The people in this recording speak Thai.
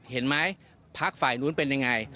เห็นไหมพักฝ่ายนู้นเป็นยังไง